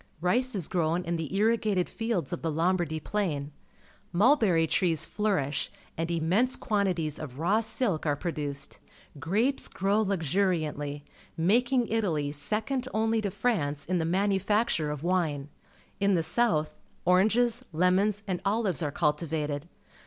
Rice is grown in the irrigated fields of the Lombardy Plain. IMulberrj^ trees flourish, and immense quan tities of raw silk are produced. Grapes grow luxuriantly, making Italy second only to France in the manufacture of ^ ine. In the 198 PUBLIC SCHOOL GEOGRAPHY south, oranges, lemons, and olives are cultivated.